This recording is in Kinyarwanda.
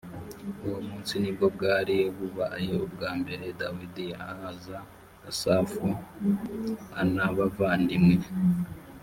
uwo munsi ni bwo bwari bubaye ubwa mbere dawidi ahaza asafu a n abavandimwe